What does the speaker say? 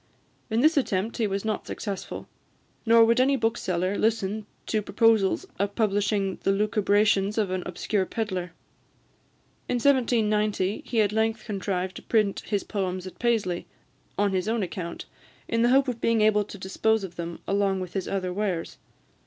In this attempt he was not successful; nor would any bookseller listen to proposals of publishing the lucubrations of an obscure pedlar. In 1790, he at length contrived to print his poems at Paisley, on his own account, in the hope of being able to dispose of them along with his other wares.